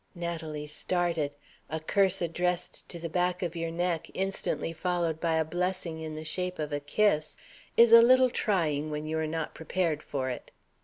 Natalie started. A curse addressed to the back of your neck, instantly followed by a blessing in the shape of a kiss, is a little trying when you are not prepared for it.